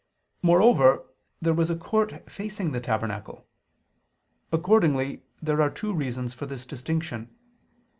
Moreover there was a court facing the tabernacle. Accordingly there are two reasons for this distinction.